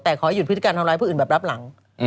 แต่ขอให้หยุดพฤติการทำร้ายผู้อื่นแบบรับหลัง